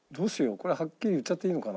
これはっきり言っちゃっていいのかな？